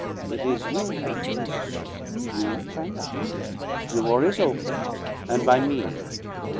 It is you and me, monsieur! You can laugh! The war is open', and by me!